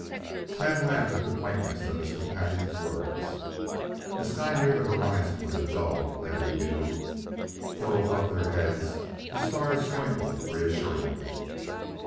Tad laughed at the quaintness of his companion's words. The sky near the horizon was a dull, leaden hue, though above their heads the stars twinkled reassuringly.